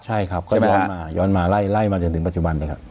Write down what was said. ใช่ครับก็ย้อนมาย้อนมาไล่มาจนถึงปัจจุบันเลยครับ